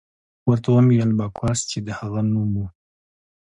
ورته ومې ویل: باکوس، چې د هغه نوم وو.